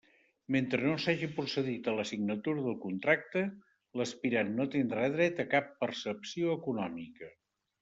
Mentre no s'hagi procedit a la signatura del contracte, l'aspirant no tindrà dret a cap percepció econòmica.